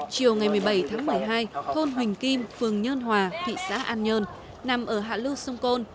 chiều ngày một mươi bảy tháng một mươi hai thôn huỳnh kim phường nhơn hòa thị xã an nhơn nằm ở hạ lưu sông côn